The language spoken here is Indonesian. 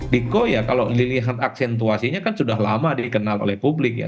diko ya kalau dilihat aksentuasinya kan sudah lama dikenal oleh publik ya